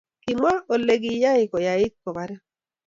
kimwa ole kiyai koyait kabarin